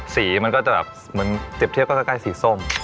มันก็จะแบบเหมือนเปรียบเทียบก็ใกล้สีส้ม